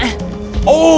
aku terlalu lemah